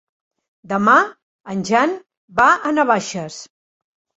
Demà en Jan va a Navaixes.